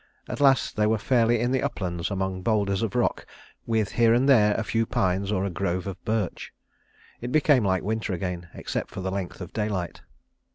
At last they were fairly in the uplands among boulders of rock with here and there a few pines, or a grove of birch. It became like winter again, except for the length of daylight.